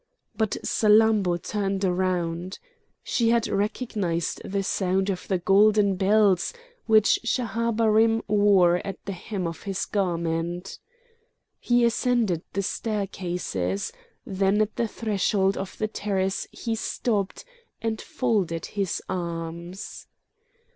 But Salammbô turned around. She had recognised the sound of the golden bells which Schahabarim wore at the hem of his garment. He ascended the staircases; then at the threshold of the terrace he stopped and folded his arms.